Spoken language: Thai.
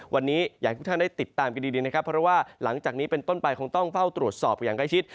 วันนี้อยากให้ทุกท่านได้ติดตามกันดีนะครับเพราะว่าหลังจากนี้เป็นต้นไปคงต้องเฝ้าตรวจสอบอย่างใกล้ชิด